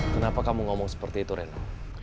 kenapa kamu ngomong seperti itu rena